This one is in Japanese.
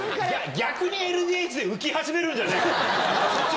逆にＬＤＨで浮き始めるんじゃない？